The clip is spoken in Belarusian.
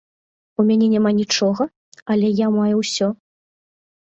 У мяне няма нічога, але я маю ўсё.